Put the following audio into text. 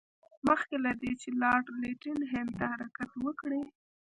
مخکې له دې چې لارډ لیټن هند ته حرکت وکړي.